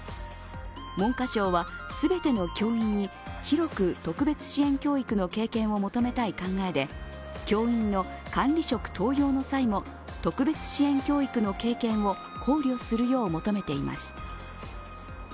文科省は全ての教員に広く特別支援教育の経験を求めたい考えで教員の管理者登用の際も特別支援教育の経験を考慮するよう求めています。